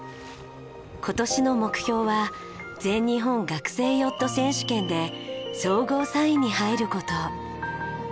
今年の目標は全日本学生ヨット選手権で総合３位に入る事。